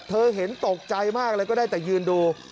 เห็นตกใจมากเลยก็ได้แต่ยืนดู